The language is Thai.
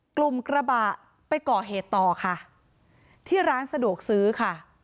กระบะไปก่อเหตุต่อค่ะที่ร้านสะดวกซื้อค่ะ